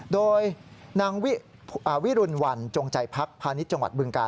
โดยนางวิรุณวันจงใจพักพาณิชย์จังหวัดบึงกาล